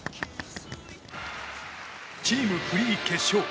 チームフリー決勝。